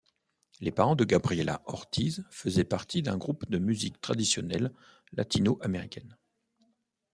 Les parents de Gabriela Ortiz faisaient partie d'un groupe de musique traditionnelle latino-américaine.